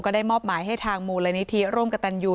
ได้มอบหมายให้ทางมูลนิธิร่วมกับตันยู